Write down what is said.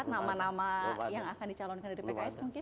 nama nama yang akan dicalonkan dari pks mungkin